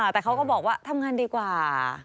แต่เขาก็บอกว่าทำงานดีกว่า